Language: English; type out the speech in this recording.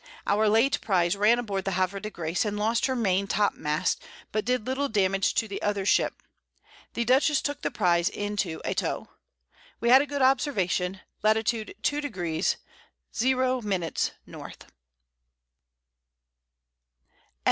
Our late Prize ran aboard the Havre de Grace, and lost her Main Top mast, but did little Damage to the other Ship. The Dutchess took the Prize into a Tow. We had a good Observation. Lat. 2°. 00´´. N. _June 7.